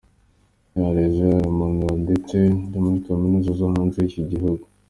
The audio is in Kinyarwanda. Yarize aranaminuza ndetse muri kaminuza zo hanze y’iki gihugu.